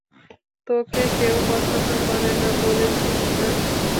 তোকে কেউ পছন্দ করে না, বলেছিস না?